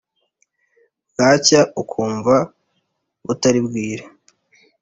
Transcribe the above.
bwacya ukumva butari bwire !